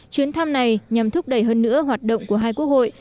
chuyến thăm này nhằm thúc đẩy hơn nữa hoạt động của hai quốc hội